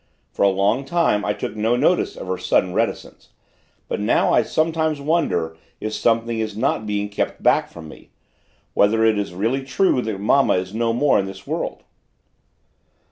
For a long time I took no notice of her sudden reticence, but now I sometimes wonder if something is not being kept back from me whether it is really true that mamma is no more in this world."